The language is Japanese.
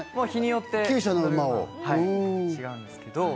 日によって違うんですけど。